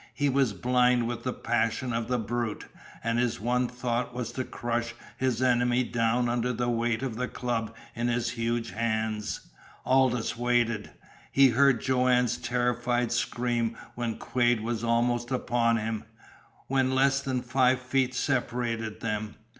He was blind with the passion of the brute, and his one thought was to crush his enemy down under the weight of the club in his huge hands. Aldous waited. He heard Joanne's terrified scream when Quade was almost upon him when less than five feet separated them.